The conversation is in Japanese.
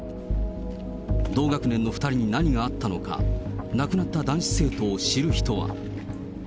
同学年の２人に何があったのか、亡くなった男子生徒を知る人は。